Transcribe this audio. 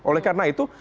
oleh karena itu